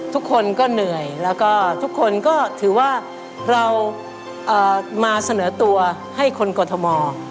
ทุกคนก็เหนื่อยแล้วก็ทุกคนก็ถือว่าเรามาเสนอตัวให้คนกรทม